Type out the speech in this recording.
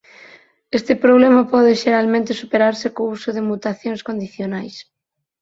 Este problema pode xeralmente superarse co uso de mutacións condicionais.